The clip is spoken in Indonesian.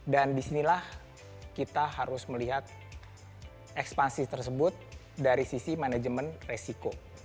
dan disinilah kita harus melihat ekspansi tersebut dari sisi manajemen resiko